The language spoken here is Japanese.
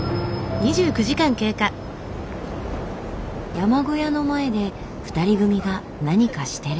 山小屋の前で２人組が何かしてる。